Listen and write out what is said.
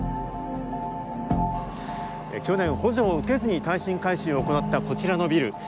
去年補助を受けずに耐震改修を行ったこちらのビル。